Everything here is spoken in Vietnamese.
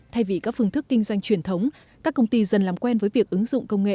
thay vì các phương thức kinh doanh truyền thống các công ty dần làm quen với việc ứng dụng công nghệ